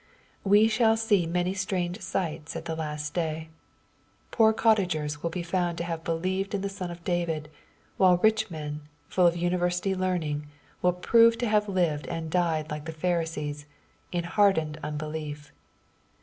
We shall see many strange sights at the last day. Poor, cottagers will be found to have believed in the Son of David, while rich men, full of university learning, will prove to have lived and died like the Pharisees, in hardened unbelief.